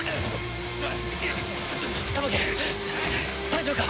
大丈夫か！？